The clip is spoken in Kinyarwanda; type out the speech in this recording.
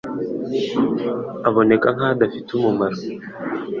Aboneka nka dafite umumaro,